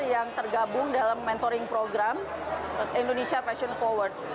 yang tergabung dalam mentoring program indonesia fashion forward